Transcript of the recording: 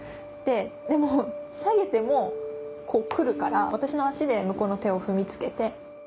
でも下げても来るから私の足で向こうの手を踏み付けて。